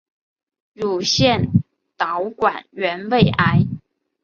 乳腺导管原位癌。